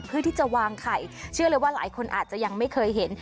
เพื่อที่จะวางไข่เชื่อเลยว่าหลายคนอาจจะยังไม่เคยเห็น